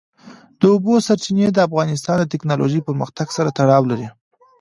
د اوبو سرچینې د افغانستان د تکنالوژۍ پرمختګ سره تړاو لري.